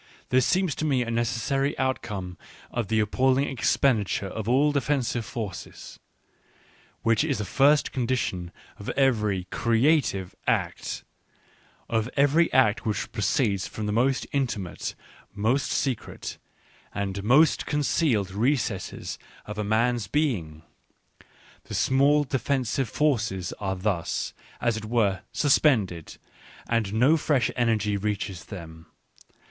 This seems to me a necessary outcome of the appalling expenditure of all defensive forces, which is the first condition of every creative act, of every act which proceeds from the most intimate, most secret, and most concealed recesses of a man's being. The small defensive forces are thus, as it were, suspended, and no fresh energy reaches them.